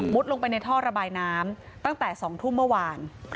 ลงไปในท่อระบายน้ำตั้งแต่๒ทุ่มเมื่อวาน